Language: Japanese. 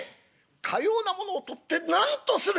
かようなものを取って何とする！」。